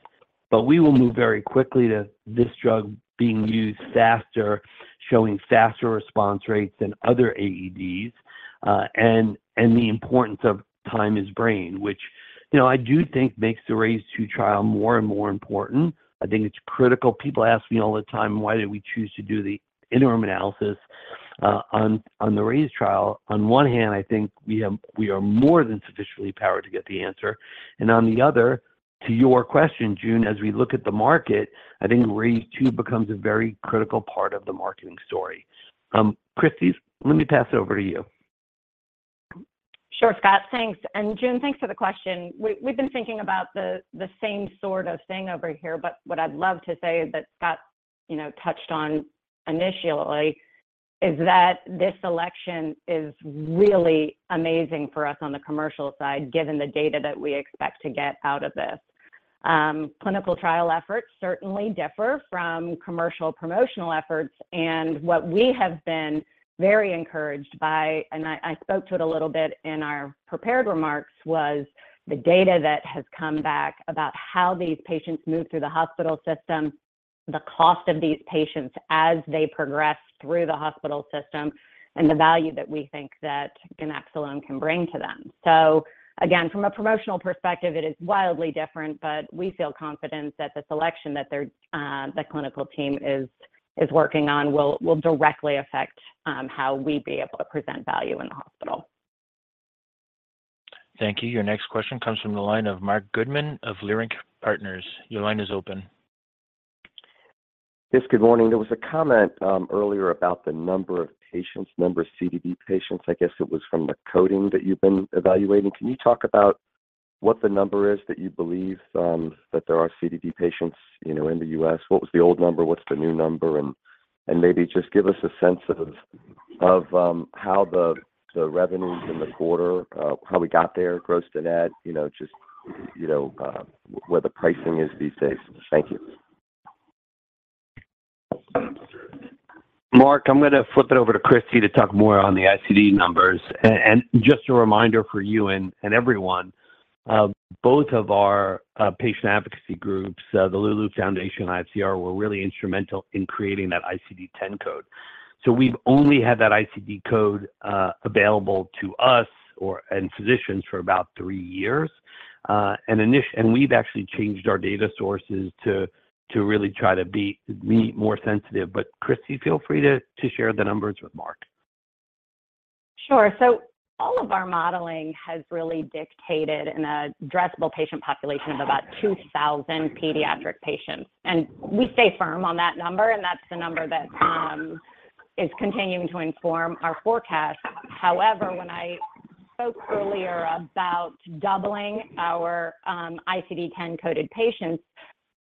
We will move very quickly to this drug being used faster, showing faster response rates than other AEDs, and the importance of time is brain, which, you know, I do think makes the RAISE II trial more and more important. I think it's critical. People ask me all the time, why did we choose to do the interim analysis on the RAISE trial? On one hand, I think we are more than sufficiently powered to get the answer. To your question, June, as we look at the market, I think RAISE II becomes a very critical part of the marketing story. Christy, let me pass it over to you. Sure, Scott. Thanks. Joon, thanks for the question. We, we've been thinking about the, the same sort of thing over here, but what I'd love to say is that Scott, you know, touched on initially, is that this selection is really amazing for us on the commercial side, given the data that we expect to get out of this. Clinical trial efforts certainly differ from commercial promotional efforts, and what we have been very encouraged by, and I, I spoke to it a little bit in our prepared remarks, was the data that has come back about how these patients move through the hospital system, the cost of these patients as they progress through the hospital system, and the value that we think that ganaxolone can bring to them. Again, from a promotional perspective, it is wildly different, but we feel confident that the selection that they're, the clinical team is, is working on will, will directly affect, how we be able to present value in the hospital. Thank you. Your next question comes from the line of Marc Goodman of Leerink Partners. Your line is open. Yes, good morning. There was a comment, earlier about the number of patients, number of CDD patients. I guess it was from the coding that you've been evaluating. Can you talk about what the number is that you believe, that there are CDD patients, you know, in the U.S.? What was the old number? What's the new number? Maybe just give us a sense of, of, how the, the revenues in the quarter, how we got there, gross to net, you know, just, you know, where the pricing is these days. Thank you. Marc, I'm gonna flip it over to Christy to talk more on the ICD numbers. Just a reminder for you and everyone, both of our patient advocacy groups, the LouLou Foundation and IFCR, were really instrumental in creating that ICD-10 code. We've only had that ICD code available to us or, and physicians for about three years. We've actually changed our data sources to really try to be more sensitive. Christy, feel free to share the numbers with Marc. Sure. All of our modeling has really dictated an addressable patient population of about 2,000 pediatric patients, and we stay firm on that number, and that's the number that is continuing to inform our forecast. However, when I spoke earlier about doubling our ICD-10 coded patients,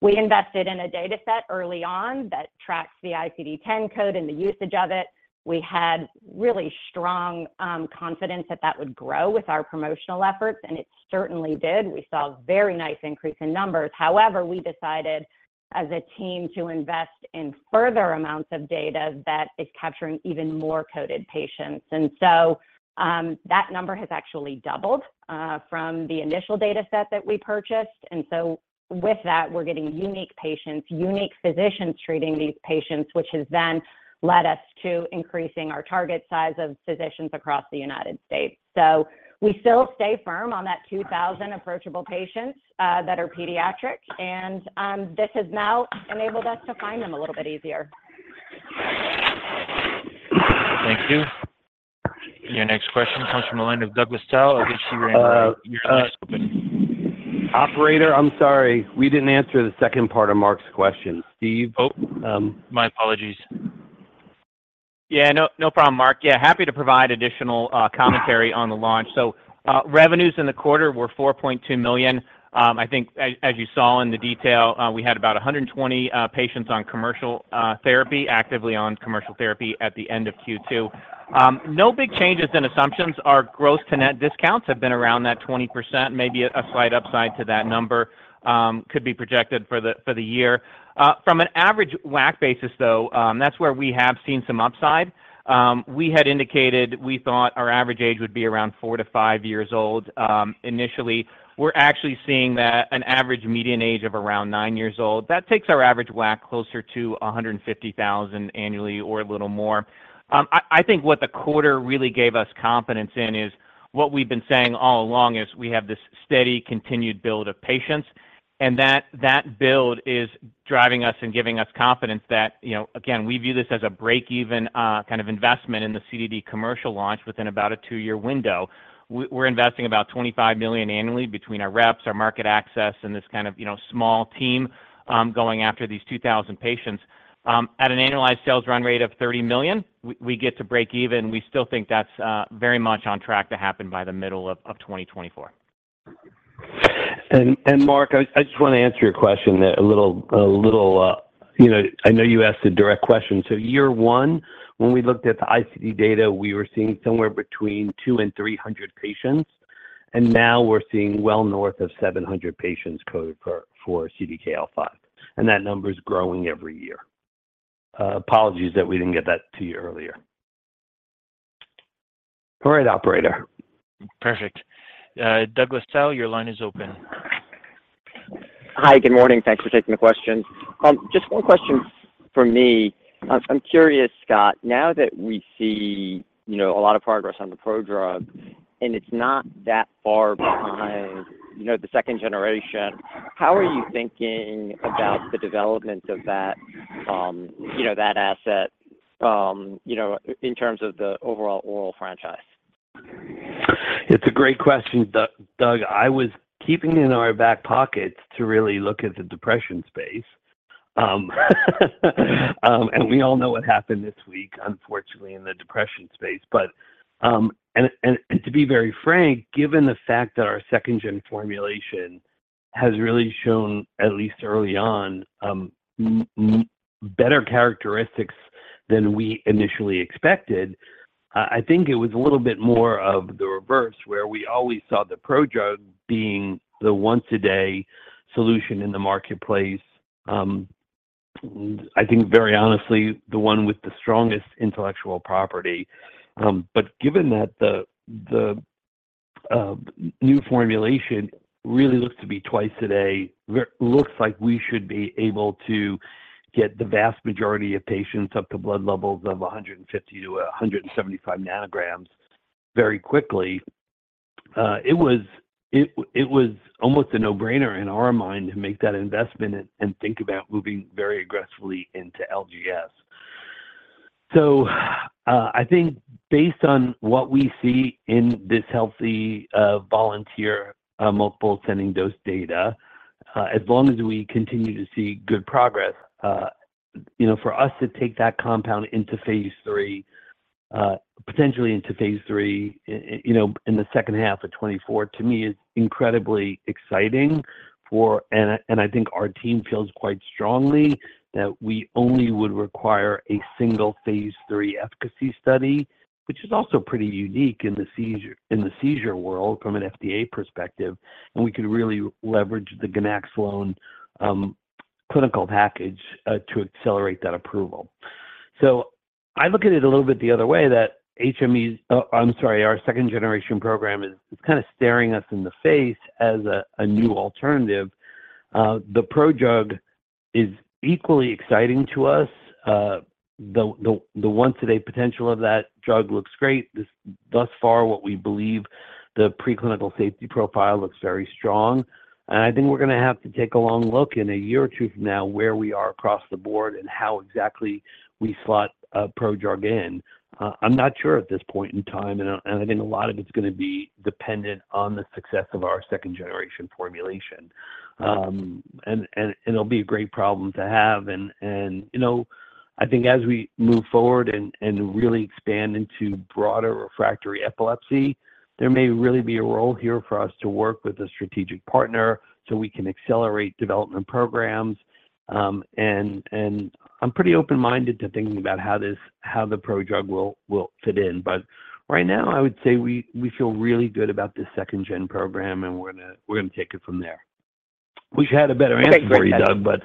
we invested in a dataset early on that tracks the ICD-10 code and the usage of it. We had really strong confidence that that would grow with our promotional efforts, and it certainly did. We saw a very nice increase in numbers. However, we decided, as a team, to invest in further amounts of data that is capturing even more coded patients. That number has actually doubled from the initial dataset that we purchased. With that, we're getting unique patients, unique physicians treating these patients, which has then led us to increasing our target size of physicians across the United States. We still stay firm on that 2,000 approachable patients that are pediatric, and this has now enabled us to find them a little bit easier. Thank you. Your next question comes from the line of Douglas Tsao of H.C. Wainwright. Uh, uh- Your line is open. Operator, I'm sorry, we didn't answer the second part of Marc's question. Steve? Oh, my apologies. Yeah, no, no problem, Marc. Happy to provide additional commentary on the launch. Revenues in the quarter were $4.2 million. I think as you saw in the detail, we had about 120 patients on commercial therapy, actively on commercial therapy at the end of Q2. No big changes in assumptions. Our growth to net discounts have been around that 20%. Maybe a slight upside to that number could be projected for the year. From an average WAC basis, though, that's where we have seen some upside. We had indicated we thought our average age would be around four to five years old initially. We're actually seeing that an average median age of around nine years old. That takes our average WAC closer to $150,000 annually or a little more. I think what the quarter really gave us confidence in is what we've been saying all along is we have this steady continued build of patients, and that, that build is driving us and giving us confidence that, you know, again, we view this as a break-even kind of investment in the CDD commercial launch within about a two-year window. We're investing about $25 million annually between our reps, our market access, and this kind of, you know, small team going after these 2,000 patients. At an annualized sales run rate of $30 million, we get to break even. We still think that's very much on track to happen by the middle of 2024. Marc, I, I just want to answer your question a little, a little... You know, I know you asked a direct question. Year one, when we looked at the ICD data, we were seeing somewhere between 200-300 patients, and now we're seeing well north of 700 patients coded for, for CDKL5, and that number is growing every year. Apologies that we didn't get that to you earlier. All right, operator. Perfect. Douglas Tsao, your line is open. Hi, good morning. Thanks for taking the question. Just one question from me. I'm, I'm curious, Scott, now that we see, you know, a lot of progress on the prodrug, and it's not that far behind, you know, the second generation, how are you thinking about the development of that, you know, that asset, you know, in terms of the overall oral franchise? It's a great question, Doug. I was keeping in our back pocket to really look at the depression space. We all know what happened this week, unfortunately, in the depression space. To be very frank, given the fact that our second gen formulation has really shown, at least early on, better characteristics than we initially expected, I think it was a little bit more of the reverse, where we always saw the prodrug being the once a day solution in the marketplace. I think, very honestly, the one with the strongest intellectual property. Given that the, the, new formulation really looks to be twice a day, looks like we should be able to get the vast majority of patients up to blood levels of 150-175 nanograms very quickly. It was almost a no-brainer in our mind to make that investment and, and think about moving very aggressively into LGS. I think based on what we see in this healthy volunteer multiple ascending dose data, as long as we continue to see good progress, you know, for us to take that compound into Phase 3, potentially into Phase 3, you know, in the second half of 2024, to me, is incredibly exciting for, and I think our team feels quite strongly that we only would require a single Phase 3 efficacy study, which is also pretty unique in the seizure, in the seizure world from an FDA perspective, and we could really leverage the ganaxolone clinical package to accelerate that approval. I look at it a little bit the other way that HME, I'm sorry, our second generation program is kind of staring us in the face as a new alternative. The prodrug is equally exciting to us. The once a day potential of that drug looks great. Thus, thus far, what we believe the preclinical safety profile looks very strong, and I think we're going to have to take a long look in a year or two from now where we are across the board and how exactly we slot a prodrug in. I'm not sure at this point in time, and I, and I think a lot of it's going to be dependent on the success of our second generation formulation. It'll be a great problem to have. You know, I think as we move forward and really expand into broader refractory epilepsy, there may really be a role here for us to work with a strategic partner, so we can accelerate development programs. I'm pretty open-minded to thinking about how this, how the prodrug will fit in. Right now, I would say we feel really good about this second gen program, and we're gonna take it from there. Wish I had a better answer for you, Doug, but.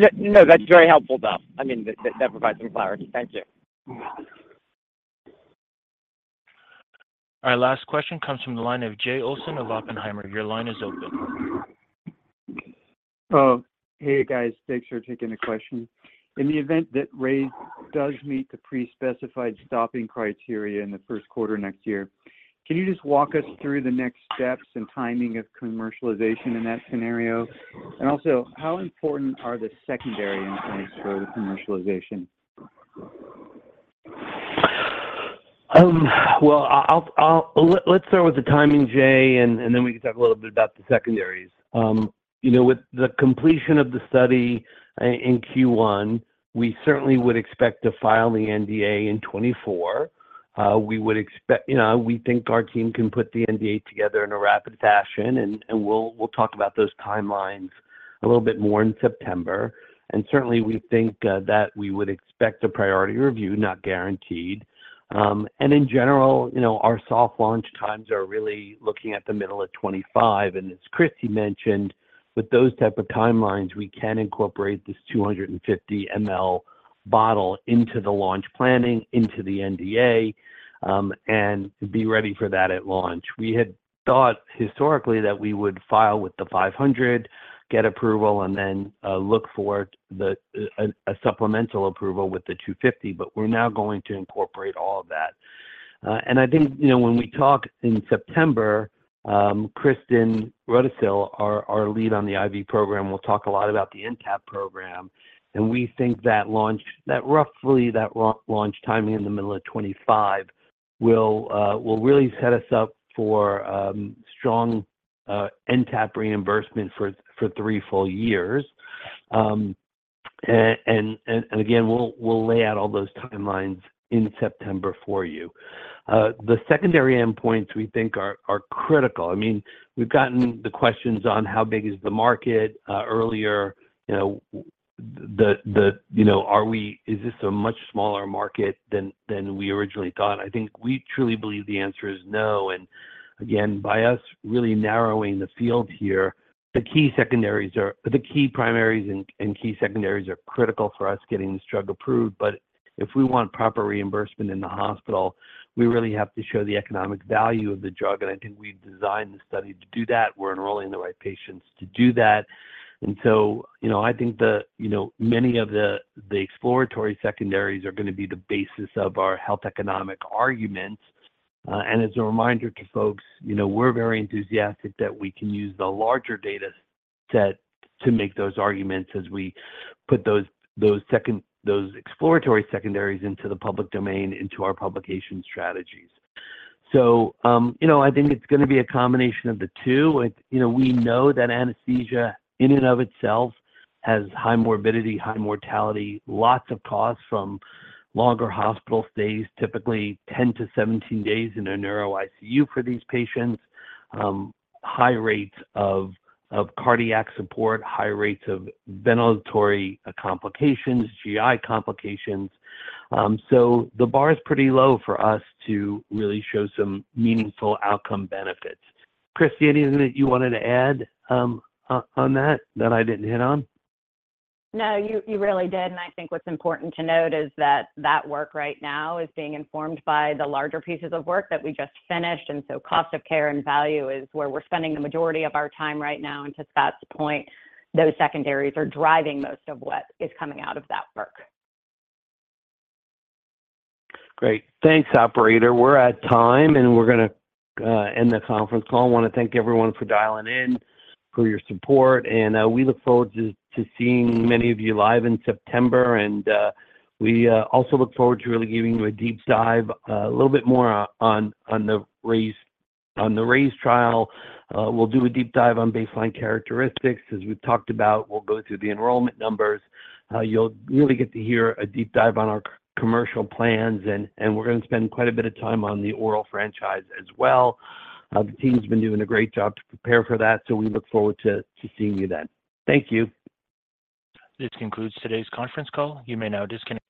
Yeah, no, that's very helpful, though. I mean, that, that provides some clarity. Thank you. Our last question comes from the line of Jay Olson of Oppenheimer. Your line is open. Oh, hey, guys. Thanks for taking the question. In the event that RAISE does meet the pre-specified stopping criteria in the first quarter next year, can you just walk us through the next steps and timing of commercialization in that scenario? Also, how important are the secondary endpoints for the commercialization? Well, let's start with the timing, Jay, and then we can talk a little bit about the secondaries. You know, with the completion of the study in Q1, we certainly would expect to file the NDA in 2024. You know, we think our team can put the NDA together in a rapid fashion, and we'll talk about those timelines a little bit more in September. Certainly, we think that we would expect a priority review, not guaranteed. In general, you know, our soft launch times are really looking at the middle of 2025. As Christy mentioned, with those type of timelines, we can incorporate this 250 ML bottle into the launch planning, into the NDA, and be ready for that at launch. We had thought historically that we would file with the 500, get approval, and then look for the a supplemental approval with the 250, but we're now going to incorporate all of that. I think, you know, when we talk in September, Kristin Rudisill, our, our lead on the IV program, will talk a lot about the NTAP program. We think that launch, that roughly that launch timing in the middle of 2025, will really set us up for strong NTAP reimbursement for three full years. Again, we'll lay out all those timelines in September for you. The secondary endpoints we think are critical. I mean, we've gotten the questions on how big is the market earlier. You know, you know, is this a much smaller market than, than we originally thought? I think we truly believe the answer is no. Again, by us really narrowing the field here, the key primaries and key secondaries are critical for us getting this drug approved. If we want proper reimbursement in the hospital, we really have to show the economic value of the drug, and I think we've designed the study to do that. We're enrolling the right patients to do that. You know, I think the, you know, many of the exploratory secondaries are going to be the basis of our health economic arguments. As a reminder to folks, you know, we're very enthusiastic that we can use the larger data set to make those arguments as we put those exploratory secondaries into the public domain, into our publication strategies. You know, I think it's going to be a combination of the two. You know, we know that anesthesia, in and of itself, has high morbidity, high mortality, lots of costs from longer hospital stays, typically 10-17 days in a Neuro ICU for these patients, high rates of cardiac support, high rates of ventilatory complications, GI complications. The bar is pretty low for us to really show some meaningful outcome benefits. Christy, anything that you wanted to add on that, that I didn't hit on? No, you, you really did, I think what's important to note is that that work right now is being informed by the larger pieces of work that we just finished. Cost of care and value is where we're spending the majority of our time right now. To Scott's point, those secondaries are driving most of what is coming out of that work. Great. Thanks, operator. We're at time, and we're going to end the conference call. I want to thank everyone for dialing in, for your support, and we look forward to seeing many of you live in September. We also look forward to really giving you a deep dive a little bit more on, on, on the RAISE, on the RAISE trial. We'll do a deep dive on baseline characteristics, as we've talked about. We'll go through the enrollment numbers. You'll really get to hear a deep dive on our commercial plans, and we're going to spend quite a bit of time on the oral franchise as well. The team's been doing a great job to prepare for that, so we look forward to seeing you then. Thank you. This concludes today's conference call. You may now disconnect.